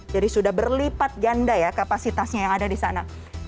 jadi sudah berlipat ganda ya kapasitasnya yang ada di sana